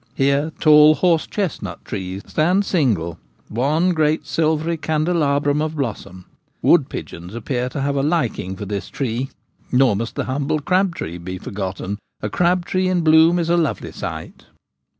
Here tall horse chestnut trees stand single — one great silvery can delabrum of blossom. Wood pigeons appear to have a liking for this tree. Nor must the humble crab tree be forgotten ; a crab tree in bloom is a lovely sight.